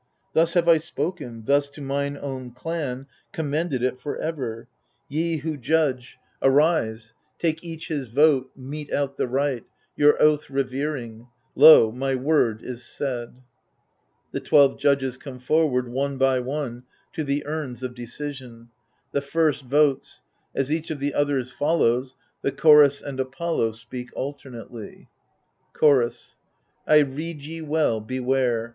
Thus have I spoken, thus to mine own clan Commended it for ever. Ye who judge, ^ See Appendix. i68 THE FURIES Arise, take each his vote, mete out the right, Your oath revering. Lo, my word is said. [The twelve judges come forward^ one by one^ to the urns of decision; the first votes; €is each of the others follows^ the Chorus and Apollo speak alternately. Chorus I rede ye well, beware